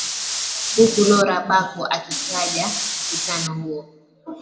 uku lora bagbo akikaja mkutano huo